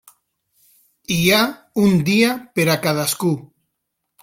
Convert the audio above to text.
Hi ha un dia per a cadascú.